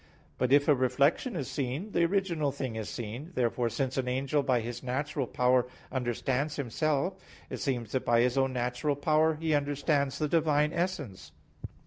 But if a reflection is seen, the original thing is seen. Therefore since an angel by his natural power understands himself, it seems that by his own natural power he understands the Divine essence.